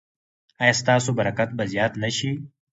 ایا ستاسو برکت به زیات نه شي؟